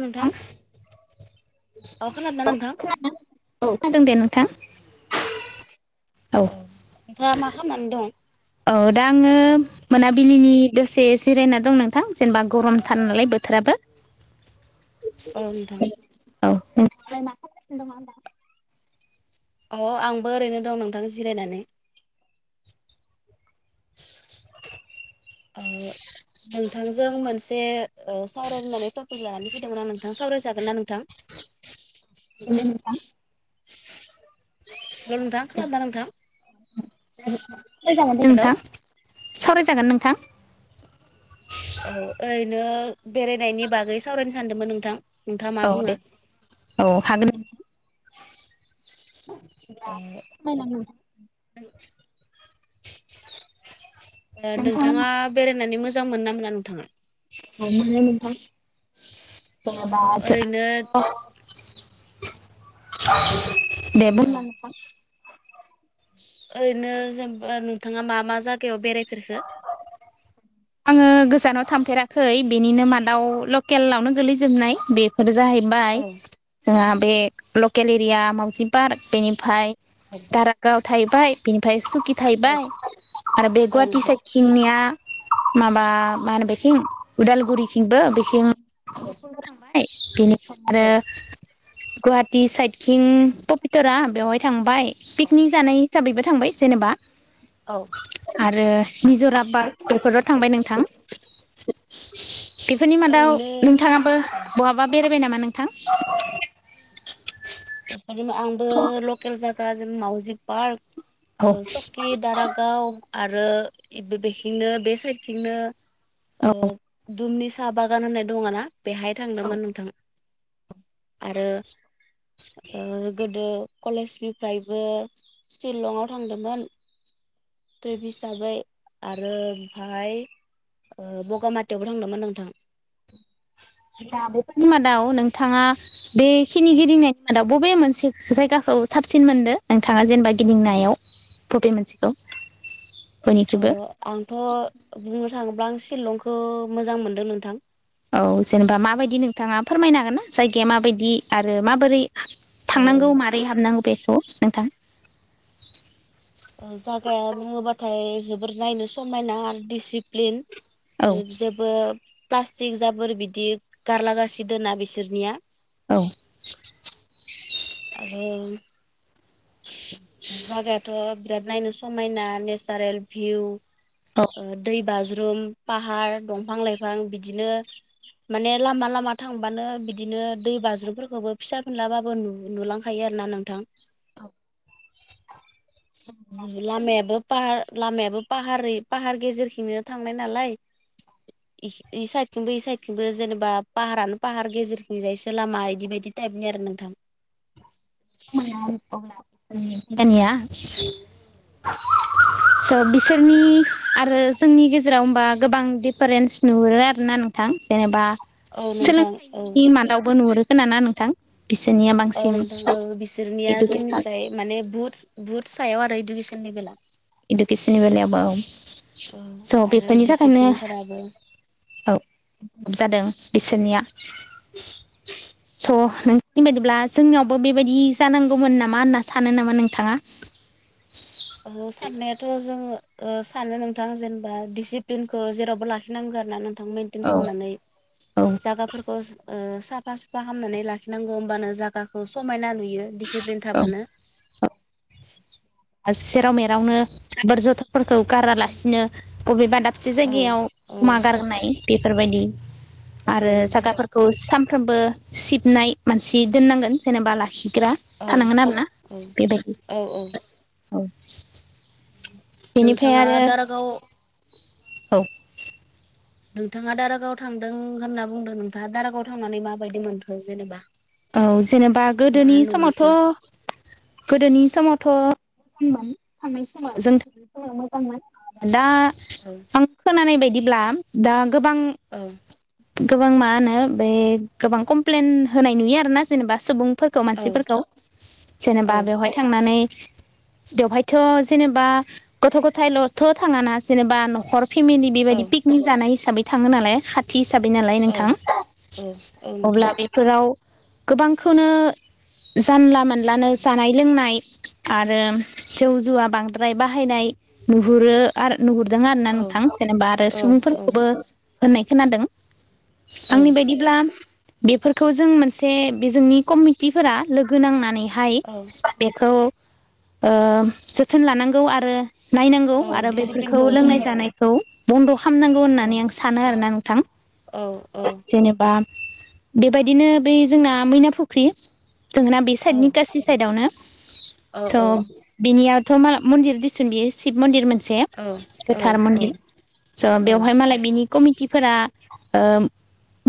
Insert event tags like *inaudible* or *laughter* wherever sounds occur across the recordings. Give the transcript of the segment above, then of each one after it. नोंथां अ खोनादोंना हलौ नोंथां खोनादों औ खोनादों दे नोंथां औ नोंथाङा मा खालामनानै दं औ दा आङो मोनाबिलिनि दसे एसे जिरायना दं नोंथां जेनेबा गरमथान नालाय बोथोराबो औ नोंथां औ नोंथांआलाय मा खालामगासिनो दङ होनदां अ आंबो ओरैनो दं नोंथां जिरायनानै *unintelligible* नोंथांजों मोनसे सावरायनानै टपिक लानानै नोंथां सावरायजागोन ना नोंथां *unintelligible* हेलौ नोंथां खोनादोना नोंथां सावरायजागोन हेलौ नोंथां सावरायजागोन नोंथां औ ओरैनो बेरायनायनि बागै सावरायनो सानदोंमोन नोंथां नोंथाङा मा औ बुङो दे औ हागोन ओ *unintelligible* नोंथाङा बेरायनानै मोजां मोन ना मोना नोंथाङा मोनो नोंथां औ जेसेबा ओरैनो जोंहाथ दे औ बुंलाय नोंथां ओरैनो जेनबा नोंथाङा मा मा जायागायाव बेरायफेरखो आङो गोजानाव थांफेराखै बेनिनो मादाव लकेलावनो गोलैजोबनाय बे फोर जाहैबाय औ जोंहा बे लकेल एरिया मावउजि पार्क बेनिफ्राय औ दारागायाव थाहैबाय बिनिफ्राय औ थाहबाय आरो बे औ गुवाहाटि नोंथां साइदथिंनिया माबा मा होनो बेथिं उदालगुरिथिंबो बेथि ए गुवाहाटी सायेदथिं बेवहाय थांबाय औ पिकनिक जानाय हिसाबैबो थांबाय जेनेबा औ आरो मिजराबाद बेफोराव थांबाय नोंथां बेफोरनि मादाव ओरैनो नोंथाङाबो बहाबा बेराय नामा नोंथां बेफोर आंबो लकेल जायगा ज मावउजि औ पार्क सकि दारागाव आरो बेखनो बे साइदथिंनो औ दुमनि साहा बागान होननाय दङ ना बेहाय थांदोंमोन नोंथाङा आरो गोदो कलेजनिफ्रायबो सिलंङाव थांदोंमोन थ्रिब हिसाबै आरो ओमफाय बगामाथियावबो थांदोंमोन नोंथां दा बेफोरनि मादाव नोंथाङा बेखिनि गिदिंनायनि मादाव बबे मोनसे जायगाखौ साबसिन मोनदों नोंथाङा जेनेबा गिदिंनायाव फबे मोनसेखौ बयनिख्रुइबो आंथ बुंनो थाङोब्ला आं सिलंखौ मोजां मोनदों नोंथां औ जेनेबा माबायदि नोंथाङा फोरमायनो हागोन ना जायगाया माबायदि आरो माबोरै औ औ थांनांगौ माबोरै हाबनांगौ बेखौ नोंथां जागाया बुङोबाथाय जोबोर नायनो समायना आरो दिसिप्लिन औ जेबो प्लास्टिक जाबोर बिदि गारलागासि दोना बिसोरनिया औ आरो जागायाथ बिराद नायनो समायना नेसारेल भिउ औ दै बाज्रुम फाहार दंफां लाइफां बिदिनो माने लामा लामा थांबानो बिदिनो दै बाज्रुमफोरखौबो फिसा फिलाबाबो नुलांखायो आरो ना नोंथां *unintelligible* लामायाबो पाहार लामायाबो पाहारै पाहार गेजेरखं थांनाय नालाय इ साइदखंबो इ साइदखंबो जेनेबा पाहारानो पाहार गेजेरथिंजायसो लामा इदि बायदि थाइबनि आरो नोथां *unintelligible* स' बिसोरनि आरो जोंनि गेजेराव होमबा गोबां दिफारेन्स नुहुरो आरोना नोंथां जेनेबा औ नोंथां औ सोलोंथाइनि मादावबो नुहुरोखोन ना नोंथां बिसोरनिया औ बांसिन नोंथां औ बिसोरनिया इडुकेसन जोंनिस्राय माने बुहुत बुहुत सायाव आरो इडुकेसननि बेला इडुकेसननि बेलायावबो औ स' आरो बेफोरनि थाखायनो दिसिप्लिनफोराबो औ गो जादों बिसोरनिया *inaudible* स' नोंनि बायदिब्ला जोंनियावबो बेबायदि जानांगौमोन नामा होनना सानो नामा नोंथाङा औ साननायाथ' जोङो सानो नोंथां जेनेबा डिसिप्लिनखौ जेरावबो लाखिनांगौ आरो ना नों औ खालामनानै औ जा साफा सुफा खालामामनानै लाखिनांगौ होमबानो जायगाखौ समायना नुयो दिडसिप्लिन औ थाबानो सेराव मेरावनो साबोर जथाफोरखौ गारालासिनो बबेबाब जाय औ औ जमा गारनाय बेफोरबायदि औ आरो नोंथां जागाफोरखौ सानफ्रोमबो सिबनाय मानसि दोननांगोन जेनेबा लाखि गा औ थानांगोन आरोना औ बेबायदि औ औ औ बेनिफ्राय नोंथाङा आरो दारागाव औ नोंथाङा दारागाव थांदों होनना बुंदों नोंथाङा दारागाव थांनानै माबायदि मोनखो जेनेबा औ जेनेबा मा गोदोनि नुहैखो समावथ' गोदोनि समावथ' मोजांमोन थांनाय समा जों थांनाय समाव मोजांमोन दा औ आं खोनानाय बायदिब्ला दा गोबां औ गोबां मा होनो बे गोबां कमप्लेन होनाय नुयो आरोना जेनेबा सुबुं फोरखौ औ मानसिफोरखौ औ जेनेबा बेवहाय थांनानै बेवहायथ' जेनेबा गथ' गथायल'थ' थाङाना जेनेबा न'खर फेमिलि औ बेबायदि पिकनिक जानाय हिसाबै थाङो नालाय खाथि ह हिसाबै नालाय औ नोंथां औ औ नोंथां अब्ला बेफोराव गोबांखौनो जानला मोनानलानो जानाय लोंनाय आरो जौ जुवा बांद्राय बाहायनाय नुहुरो आरो नुहुरदों आरो ना औ नोंथां जेनेबा आरो औ औ सुबुंफोरखौबो होननाय खोनादों औ आंनि बायदिब्ला बेफोरखौ जों मोनसे सासे बेजोंनि कमिटिफोरा लोगो नांनानैहाय औ बेखौ जोथोन लानांगौ आरो नायनांगौ औ आरो बेफोरखौ दिसिप्लिनखौ औ लोंनाय जानायखौ बन्द' खालामनांगौ औ होननानै आं सानो आरोना नोंथां औ औ जेनेबा बेबायदिनो बै जोंना मैना फुख्रि दोंना बे औ साइदनि गासै साइदआवनो औ स' बिनियावथ' मा मन्दिर बेयोशि मन्दिर मोन मोनसे औ औ गोथार मन्दिर स' बेवहाय मालाय बिनि कमिटिफोरा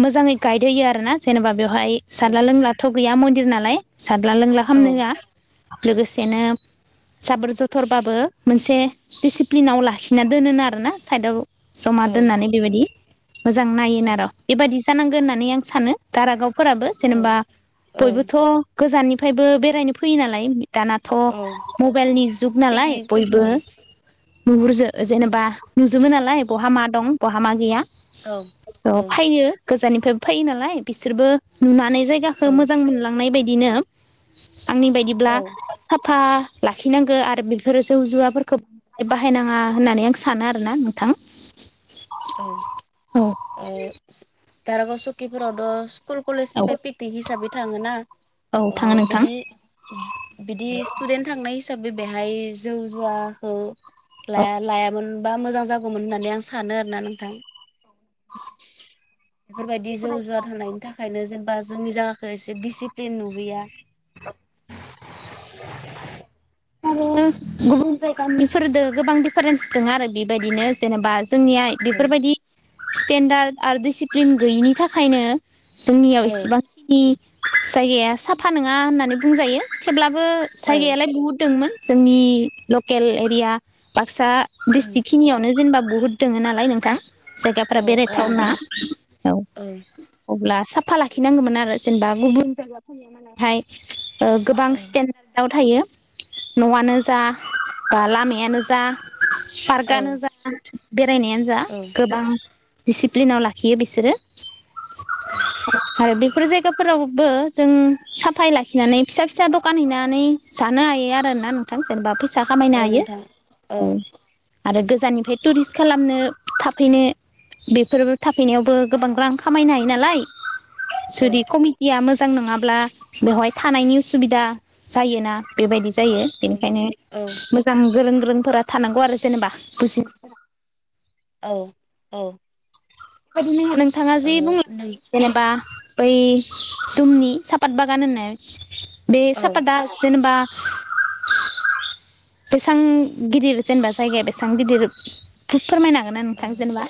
मोजाङै गाइद होयो आरोना जेनेबा बेवहाय सारला लोंलाथ' गैया मन्दिर नालाय सारला लोंला खालामामनो होवा लोगोसेनो साबोर जथरबाबो मोनसे दिडिसिप्लिनाव लाखिना दोनोनो आरोना साइदआव जमा औ दोननानै बेबायदि मोजां नायोन आरो' बेबायदि जानांगोन होननानै आं सानो दारागावफोराबो जेनेबा औ बयबोथ' गोजाननिफ्रायबो बेरायनो फैयो नालाय दानाथ' औ मबाइलनि जुग नालाय पिकनिक बयबो औ नुहुरजो औ जेनेबा नुजोबो नालाय बहा मा दं बहा मा गैया औ स' औ फैयो गोजाननिफ्रायबो फैयो नालाय बिसोरबो नुनानै जायगाखौ मोजां मोनलांनाय बायदि बिदिनो आंनि बायदिब्ला औ साफा लाखिनांगौ आरो बेफोरो जौ जुवाफोरखौय बाहायनाङा होननानै आं सानो आरोोना नोंथां औ औ दारागाव सकिफोरावथ' स्कुल कलेज औ निफ्राय पिकनिक हिसाबै थाङो ना औ थाङो नोंथां बिदि बिदि स्टुदेन्ट थांनाय हिसाबै बे बेहाय जों जुवाखौ औ लाया लायामोन बा मोजां जागौमोन होननानै आं सानो आरोोना नोंथां बेफोरबायदि जौ जुवार होनायनि थाखायनो जेनेबा जोंनि जायााखखौ एसे डिसिप्लिन नुबोैया *inaudible* *inaudible* आरो गुबुन जायगानिफोरजों गोबां दिफारेन्स दं आरो बेबायदिनो जेनेबा जोंनियााय औ बेफोरबायदि स्टेन्डार्ड आरो डिसिप्लिन गैयिनि थाखायनो औ जोंनियाव इसेबांखिनि जायगाया साफा नङा होननानै बुंजायो थेब्लाबो जायगायालाय बुहुत दंमोन जोंनि लकेल एरिया ब बाक्सा डिस्ट्रिक खिनियावनो जेनेबा बहुद दङ नालाय नोंथां जायगाफ्रा बेरायथावना औ अब्ला फुफा लाखिनांगौमोन आरो जेनेबा गुबुन जायगाफोरनि मावहाय औ गोबां स्टेेनडार्दआव थायो न'आनो जा बा लामायानो जा पार्कआानो जा बेरायनायानो जा औ गोबां दिडसिप्लिनाव लाखियो बिसोरो आरो बे बेफोर जायगाफोरावबो जों साफाय लाखिनानै फिसा फिसा दखान हैनानै जानो हायो आरोोना नोंथां जेनेबा फैसा फिसा खामायनो औ हायो नोंथां औ आरो गोजाननिफ्राय टुरिस्ट खालामनो थाफैनो बेफोर थाफैनायावबो गोबां रां खामायनो हायो नालाय औ जुदि कमिटिया मोजां नङाब्ला बेवहाय थानायनि उसुबिदा जायोना बेबायदि जायो औ बेनिखायनो औ मोजां गोरों गोर रोंफोरा थानांगौ आरो जेनेबा बजि औ औ नो नोंथाङा जि बुंलांबाय नों जेनेबा बै दुमनि सापात बागान होननाय बे औ सापाादा जेनेबा *inaudible* बेसेबां गिदिर जेनेबा जायगाया बेसेबां गिदिर फोरमायनो हागोन ना नोंथां जेनेबा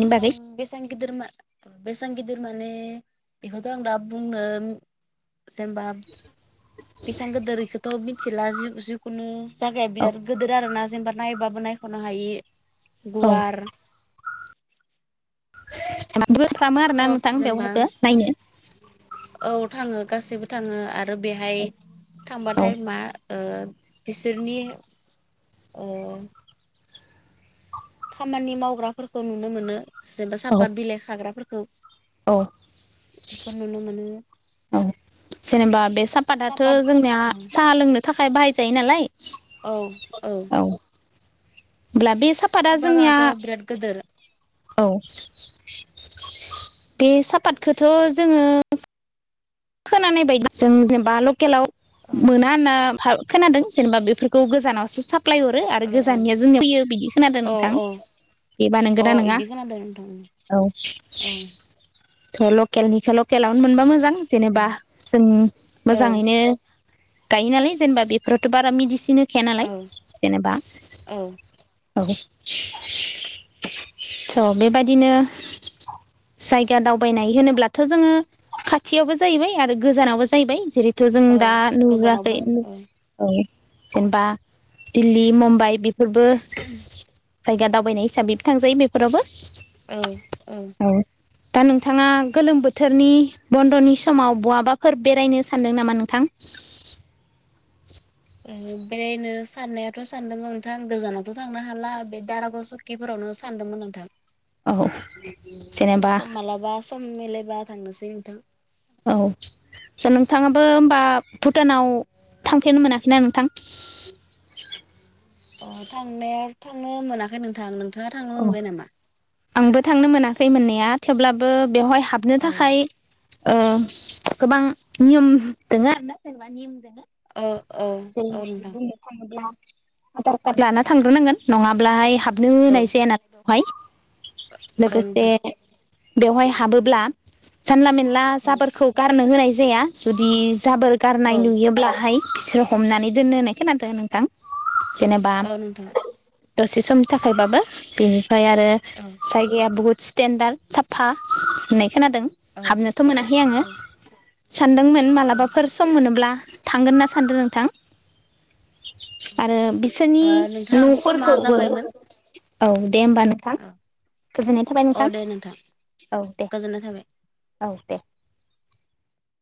बे बागै बेसां गिदिर बेसेबां गिदिर माने बेखौथ' आं दा बुंनो जेनेबा बेसेबां गोदोरखौथ' मिथिला जिखुनु जायागाया औ बिराद गिदिर आरो ना जेनबा नायबाबो नायख'नो हायि औ गुवार म खालामो आरो ना सब नोंथां जेनेबा बेवहायबो नायनो औ थाङो गासैबो थाङो आरो बेहाय औ थांबाथाय मा बिसोरनि अ खामानि मावग्राफोरखौ नुनो मोनो जेनेबा औ साफात बिलाइ खाग्राफोरखौ औ बेफोर नुनो मोनो औ जेनेबा बे सापाताथ' सापात जोंनिया साहा लोंनो थाखाय बाहायजायो नालाय औ औ होमब्ला बे साफातआ सापात जोंनिया बागानाथ' बिराद गोदोर औ बे सापातखोथ' जोङो खोनानाय बायदि जों जेनेबा लकेलाव औ मोना होनना भा खोनादों जेनेबा बेफोरखौ गोजानावसो साफ प्लाय हरो आरो औ गोजाननिया जों फैयो बिदि खोनादों औ नोंथां बेबा औ अ नोंगोना नोङा! इदि खोनादों नोंथां औ ओं थ' लकेलनिखो लकेलावनो मोनबा ओं। मोजां जेनेबा उम जों औ मोजाङैनो गायो नालाय जेनेबा बेफोरावथ' बारा मिदिसिनो थाया नालाय औ जेनेबा औ औ। थ' बेबायदिनो जायगा दावबायनाय होनोब्लाथ' जोङो खा थियावबो जाहैबाय आरो गोजानावबो जाहैबाय जेरैथ' जों औ दा नुह'राखै औ। जेनेबा दिल्ली मुम्बाइ बेफोरबो जायगा दावबायनाय हिसाबैबो थांजायो बेफोरावबो। औ औ दा नोंथाङा गोलोम बोथोरनि बन्द'नि समाव बहाबाफोर बेरायनो सानदों नामा नोंथां? बेरायनो साननायाथ' सानदोंमोन नोंथां गोजानावथ' थांनो हाला बे दारागाव सकिफोरावनो सान दोंमोन नोंथां औ जेनेबा सम मालाबा सम मिलायबा थांनोसै। थां औ स' नोंथाङाबो होमबा भुटानाव थांफेरनो मोनाखैना नोंथां? अ थांनाया थांनो मोनाखै नोंथां नोंथाङा थांनो औ मोनबाय नामा? आंबो थांनो मोनाखै मोननाया थेवब्लाबो बेवहाय हाबनो औ थाखाय ओ गोबां नियम दोङो आरोना जेनेबा नियम दोङो। औ औ औ जेरैबायदि नोंथां बुंनो थाङोब्ला आधार कार्ड लाना थांग्रोनांगोन नङाब्लाहाय हाबनो औ होनाय जाया नालाय बेवहाय। औ लोगोसे नोंथां बेवहाय हाबोब्ला जानला मेनला औ जाबोरखौ गारनो होनाय जाया जुदि जाबोर गारनाय औ नुयोब्लाहाय बिसोरो हमनानै दोनो होननाय खोनादों नोंथां जेनेबा औ नोंथां दसे समनि थाखायबाबो बेनिफ्राय आरो औ जायगाया बहुत स्टेनडार्ड साफा होननाय खोनादों हाबनोथ' मोनाखै आङो। औ सानदोंमोन मालाबाफोर सम मोनोब्ला थांगोन होनना सानदो नोंथां। औ आरो बिसोरनि ओ नोंथां समा न'फोरखौबो जाबायमोन औ दे ओमबा नोथां। औ गोजोननाय थाबाय नोंथां अ दे औ दे गोजोननाय थाबाय। औ दे।